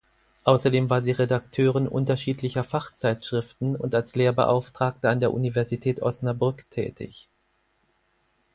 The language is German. Außerdem war sie Redakteurin unterschiedlicher Fachzeitschriften und als Lehrbeauftragte an der Universität Osnabrück tätig.